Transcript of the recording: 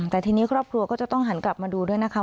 แต่ทีนี้ครอบครัวก็จะต้องหันกลับมาดูด้วยนะคะ